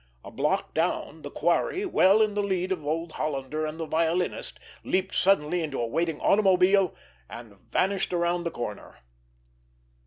A block down, the quarry, well in the lead of the old Hollander and the violinist, leaped suddenly into a waiting automobile, and vanished around the corner.